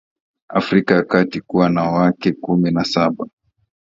Afrika ya Kati Alikuwa na wake kumi na saba